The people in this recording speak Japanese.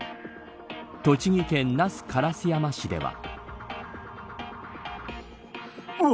栃木県那須烏山市では。